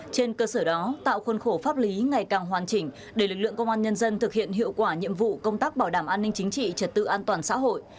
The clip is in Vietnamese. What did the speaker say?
trên cơ sở đó tạo khuôn khổ pháp lý ngày càng hoàn chỉnh để lực lượng công an nhân dân thực hiện hiệu quả nhiệm vụ công tác bảo đảm an ninh chính trị trật tự an toàn xã hội